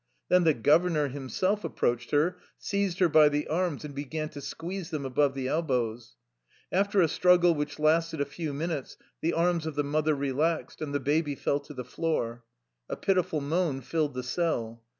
Then the governor himself ap proached her, seized her by the arms, and began to squeeze them above the elbows. After a struggle which lasted a few minutes the arms of the mother relaxed, and the baby fell to the floor. A pitiful moan filled the cell.